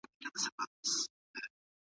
دا هغه نجار دی چي ډېر تکړه دی.